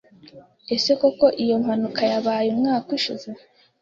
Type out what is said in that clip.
Ese koko iyo mpanuka yabaye umwaka ushize?